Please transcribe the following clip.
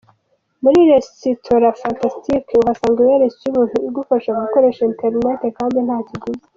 Muri resirora Fantastic uhasanga wireless y'ubuntu igufasha gukoresha internet kandi nta kiguzi.